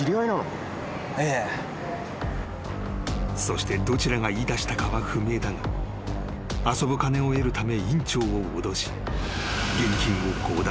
・［そしてどちらが言いだしたかは不明だが遊ぶ金を得るため院長を脅し現金を強奪。